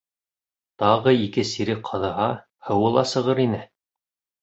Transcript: Тағы ике сирек ҡаҙыһа, һыуы ла сығыр ине.